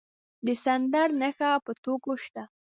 د سټنډرډ نښه په توکو شته؟